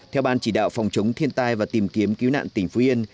theo ban chỉ đạo phòng chống thiên tai và tìm kiếm cứu nạn tỉnh phú yên